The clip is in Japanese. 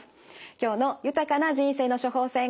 今日の「豊かな人生の処方せん」